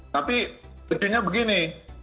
tapi sebetulnya begini